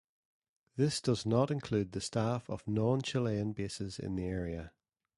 This does not include the staff of non-Chilean bases in the area.